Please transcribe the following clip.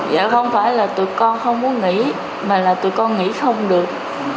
dạ không phải là tụi con không muốn nghỉ mà là tụi con nghỉ không được